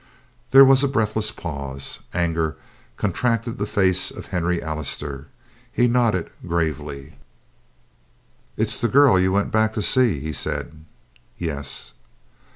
There was a breathless pause. Anger contracted the face of Henry Allister; he nodded gravely. "It's the girl you went back to see," he said. "Yes."